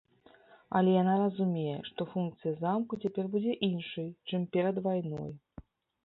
Але яна разумее, што функцыя замку цяпер будзе іншай, чым перад вайной.